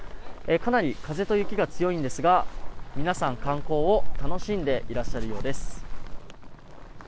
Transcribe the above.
かなり風と雪が強いんですが皆さん、観光を楽しんでいらっしゃるようです。